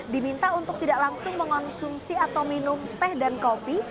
diminta untuk tidak langsung mengonsumsi atau minum teh dan kopi